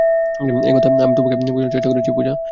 এই কথাই আমি তোমাকে, বোঝানোর চেষ্টা করছি, পূজা।